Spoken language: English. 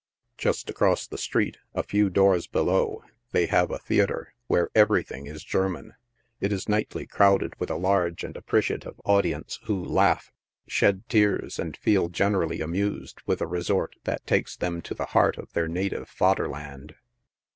Just across the street, a few doors below, they have a theatre, where every thing is German. It is nightly crowded with A FASIIIONABLE GAMBLING HOUSE. 5*1 a large and appreciative audience who laugh, shed tears, and feel generally amused with a resort that takes them to the heart of their native fader land.